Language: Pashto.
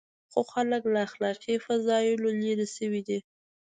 خو خلک له اخلاقي فضایلو لرې شوي دي.